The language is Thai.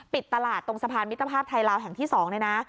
ปิดตลาดตรงสะพานมิตรภาพไทยลาวแห่งที่๒เลยนะ